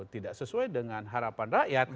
tidak sesuai dengan harapan rakyat